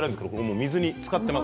水につかっています。